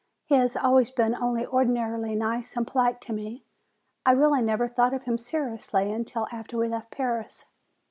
He has always been only ordinarily nice and polite to me. I really never thought of him seriously until after we left Paris.